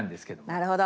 なるほど！